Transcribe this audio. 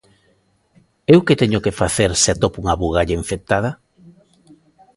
¿Eu que teño que facer se atopo unha bugalla infectada?